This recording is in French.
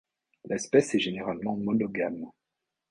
L'espèce est généralement monogame.